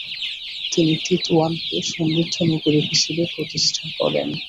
তিনি তিতওয়ানকে সমৃদ্ধ নগরী হিসেবে প্রতিষ্ঠা করেন।